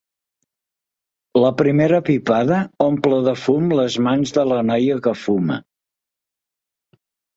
La primera pipada omple de fum les mans de la noia que fuma.